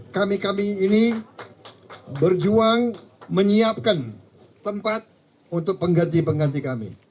kami kami ini berjuang menyiapkan tempat untuk pengganti pengganti kami